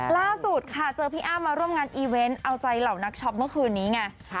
ล่าสุดค่ะเจอพี่อ้ำมาร่วมงานอีเวนต์เอาใจเหล่านักช็อปเมื่อคืนนี้ไง